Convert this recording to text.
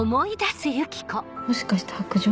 もしかして白杖？